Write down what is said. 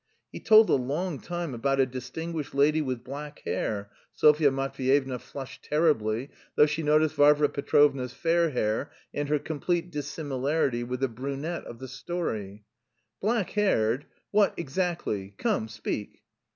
"He told a long time about a distinguished lady with black hair." Sofya Matveyevna flushed terribly though she noticed Varvara Petrovna's fair hair and her complete dissimilarity with the "brunette" of the story. "Black haired? What exactly? Come, speak!"